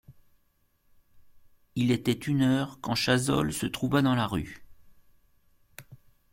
Il était une heure quand Chazolles se trouva dans la rue.